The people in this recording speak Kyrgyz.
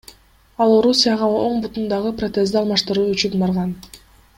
Ал Орусияга оң бутундагы протезди алмаштыруу үчүн барган.